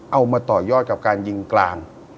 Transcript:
เอามาต่อยอดกับการยิงกลาง